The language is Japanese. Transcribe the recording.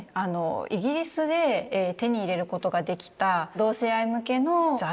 イギリスで手に入れることができた同性愛向けの雑誌ですとか小説から